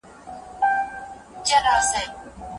له ناروغیو څخه د خلاصون لاره مرګ دی.